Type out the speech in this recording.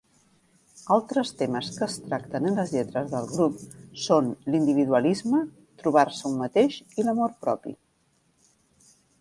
Altres temes que es tracten en les lletres del grup són l'individualisme, trobar-se un mateix i l'amor propi.